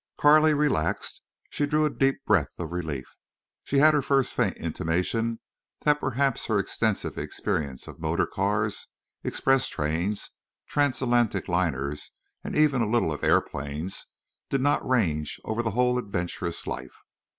Carley relaxed. She drew a deep breath of relief. She had her first faint intimation that perhaps her extensive experience of motor cars, express trains, transatlantic liners, and even a little of airplanes, did not range over the whole of adventurous life.